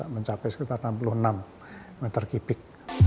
mencapai sekitar enam puluh enam meter kubik